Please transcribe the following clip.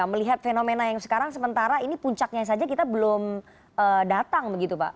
melihat fenomena yang sekarang sementara ini puncaknya saja kita belum datang begitu pak